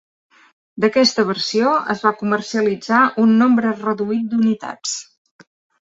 D’aquesta versió es va comercialitzar un nombre reduït d’unitats.